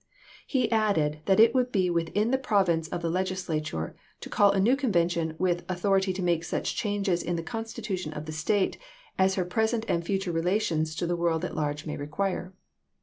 He added that it would be within the province of the Legislature „ to call a new convention with " authority to make Houston to _"^ M^^'e^isei' such changes in the constitution of the State, as cyc°opffi li^i" pi'esent and future relations to the world at '^p'.'esa^' large may require."